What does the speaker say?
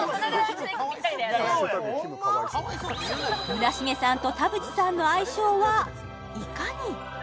村重さんと田渕さんの相性はいかに？